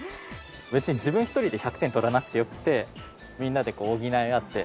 別に自分ひとりで１００点取らなくてよくてみんなでこう補い合って。